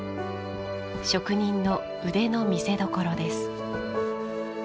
職人の腕の見せどころです。